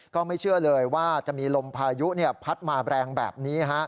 ก็ไม่เชื่อเลยว่าจะมีลมพายุพัดมาแรงแบบนี้